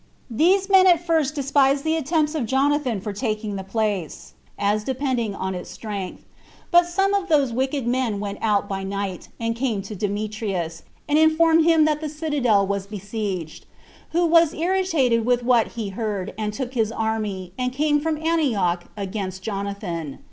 These men at first despised the attempts of Jonathan for taking the place, as depending on its strength; but some of those wicked men went out by night, and came to Demetrius, and informed him that the citadel was besieged; who was irritated with what he heard, and took his army, and came from Antioch, against Jonathan.